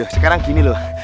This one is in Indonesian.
sekarang gini loh